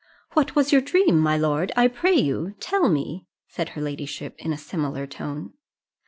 "What was your dream, my lord? I pray you, tell me," said her ladyship in a similar tone.